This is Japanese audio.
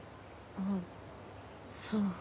あぁそう。